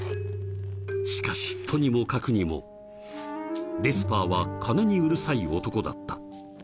［しかしとにもかくにもデスパーは金にうるさい男だった］